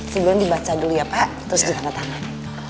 sebelum dibaca dulu ya pak terus ditandatangani